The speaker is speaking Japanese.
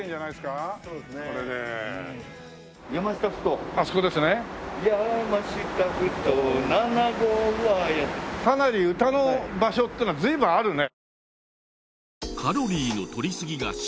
かなり歌の場所っていうのは随分あるね。